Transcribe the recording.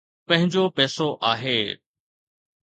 پنهنجو پئسو آهي.